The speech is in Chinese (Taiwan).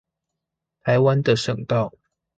臺灣的省道